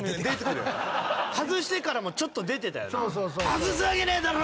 外してからもちょっと出てたよな。